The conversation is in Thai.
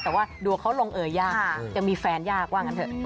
แต่ว่าดูเขาลงเอยยากจะมีแฟนยากกว้างกันเถอะ